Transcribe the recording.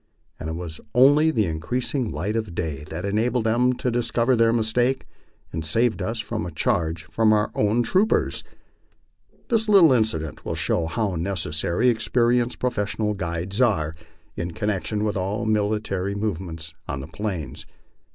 And it was only the increasing light of day that enabled them to dis cover their mistake and saved us from a charge from our own troopers. This little incident will show how necessary experienced professional guides are u connection with all military movements on the Plains.